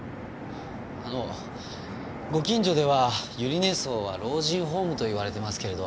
あのご近所では百合根荘は老人ホームと言われてますけれど。